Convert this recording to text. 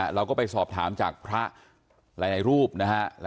เราก็ไปสอบถามจากพระหลายรูปนะฮะ